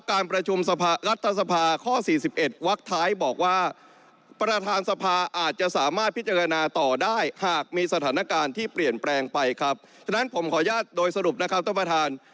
ขอแยกโดยสรุปนะครับต้นประธาน